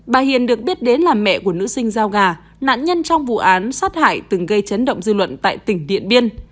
bà hiền được biết đến là mẹ của nữ sinh giao gà nạn nhân trong vụ án sát hại từng gây chấn động dư luận tại tỉnh điện biên